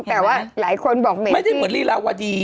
แต่ว่าหลายคนบอกแหมไม่ได้เหมือนลีลาวดี